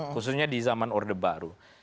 khususnya di zaman orde baru